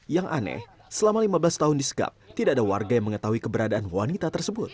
yang aneh selama lima belas tahun disegap tidak ada warga yang mengetahui keberadaan wanita tersebut